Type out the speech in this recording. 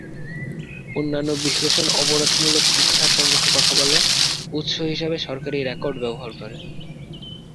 অন্যান্য বিশ্লেষণ অপরাধমূলক ইতিহাস সম্পর্কে কথা বলে, উৎস হিসাবে সরকারী রেকর্ড ব্যবহার করে।